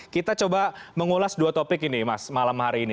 kita coba mengulas dua topik ini mas malam hari ini